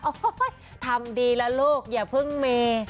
โอ้ยทำดีละลูกอย่าเพิ่งเม